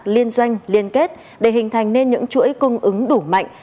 liên doanh liên kết để hình thành nên những chuỗi cung ứng đủ mạnh